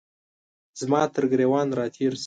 زما ترګریوان را تیر شي